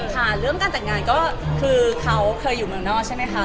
ค่ะเรื่องการแต่งงานก็คือเขาเคยอยู่เมืองนอกใช่ไหมคะ